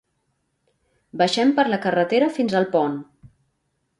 Baixem per la carretera fins al pont